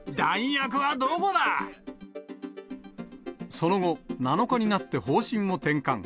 その後、７日になって方針を転換。